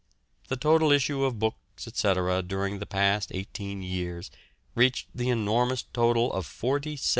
The total issue of books, etc., during the past eighteen years reached the enormous total of 47,343,035.